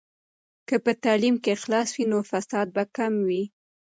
که په تعلیم کې اخلاص وي، نو فساد به کم وي.